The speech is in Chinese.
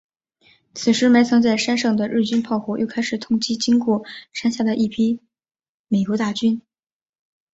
此时埋藏在山上的日军炮火又开始痛击经过山下的一批美军大队。